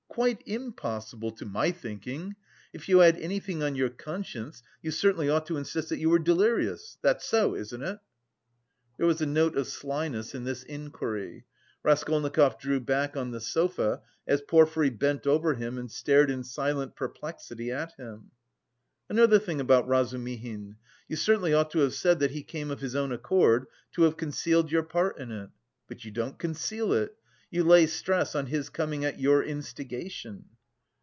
Quite impossible, to my thinking. If you had anything on your conscience, you certainly ought to insist that you were delirious. That's so, isn't it?" There was a note of slyness in this inquiry. Raskolnikov drew back on the sofa as Porfiry bent over him and stared in silent perplexity at him. "Another thing about Razumihin you certainly ought to have said that he came of his own accord, to have concealed your part in it! But you don't conceal it! You lay stress on his coming at your instigation."